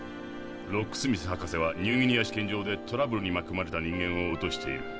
ロックスミス博士はニューギニア試験場でトラブルに巻きこまれた人間を落としている。